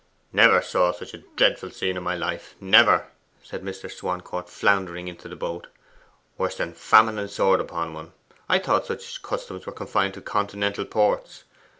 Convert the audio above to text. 'Never saw such a dreadful scene in my life never!' said Mr. Swancourt, floundering into the boat. 'Worse than Famine and Sword upon one. I thought such customs were confined to continental ports.